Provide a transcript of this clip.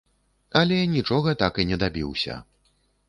Але нічога так і не дабіўся.